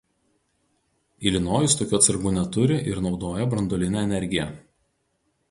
Ilinojus tokių atsargų neturi ir naudoja branduolinę energiją.